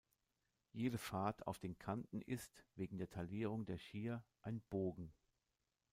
Jede Fahrt auf den Kanten ist, wegen der Taillierung der Skier, ein Bogen.